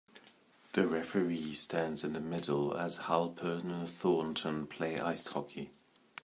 The referee stands in the middle as Halpern and Thornton play ice hockey.